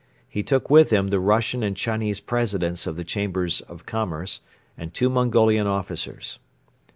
He took with him the Russian and Chinese Presidents of the Chambers of Commerce and two Mongolian officers.